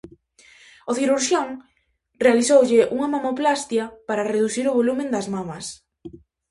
O cirurxián realizoulle unha mamoplastia para reducir o volume das mamas.